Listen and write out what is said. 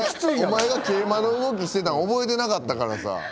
お前が桂馬の動きしてたん覚えてなかったからさ。